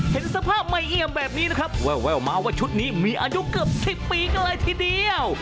เห็นสภาพใหม่เอี่ยมแบบนี้นะครับแววมาว่าชุดนี้มีอายุเกือบ๑๐ปีกันเลยทีเดียว